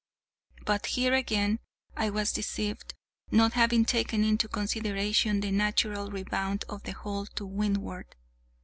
But here again I was deceived, not having taken into consideration the natural rebound of the hull to windward.